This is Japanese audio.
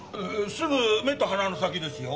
すぐ目と鼻の先ですよ。